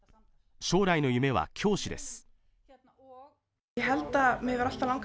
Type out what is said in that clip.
将来の夢は教師です